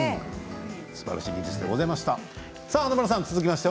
すばらしい技術でございました。